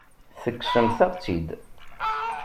Tekksemt-aɣ-tt-id.